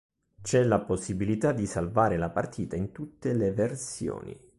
C'è la possibilità di salvare la partita in tutte le versioni.